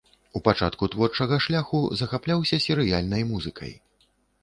У пачатку творчага шляху захапляўся серыяльнай музыкай.